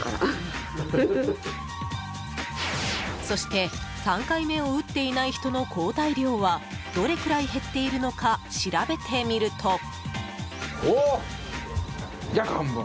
そして３回目を打っていない人の抗体量はどれくらい減っているのか調べてみると。